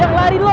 jangan lari lu